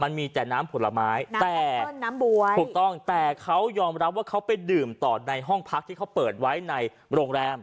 มันมีแต่น้ำผลไม้แต่น้ำบ๊วยถูกต้องแต่เขายอมรับว่าเขาไปดื่มต่อในห้องพักที่เขาเปิดไว้ในโรงแรม